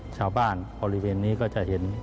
ชาวบ้านพอริเวณนี้ก็จะเห็น